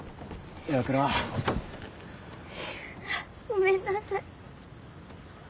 ごめんなさい。